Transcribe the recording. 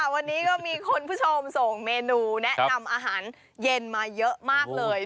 วันนี้ก็มีคุณผู้ชมส่งเมนูแนะนำอาหารเย็นมาเยอะมากเลย